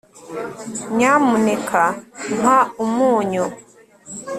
nyamuneka mpa umunyu